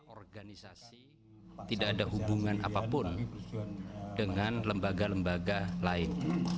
organisasi tidak ada hubungan apapun dengan lembaga lembaga lain